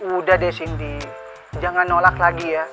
udah deh sindi jangan nolak lagi ya